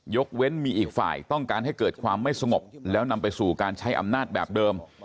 ยกเว้นมีอีกฝ่ายต้องการให้เกิดความไม่สงบแล้วนำไปสู่การใช้อำนาจแบบเดิม